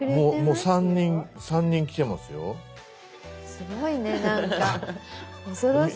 すごいねなんか恐ろしい。